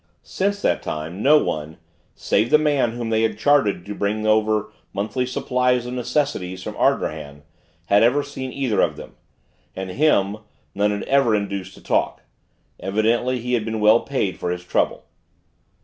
Since that time, no one, save the man whom they had chartered to bring over monthly supplies of necessaries from Ardrahan, had ever seen either of them: and him, none had ever induced to talk; evidently, he had been well paid for his trouble.